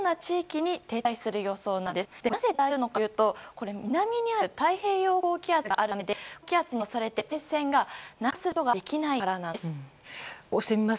なぜ停滞するのかというと南にある太平洋高気圧があるためで高気圧に押されて前線が南下することができないからなんです。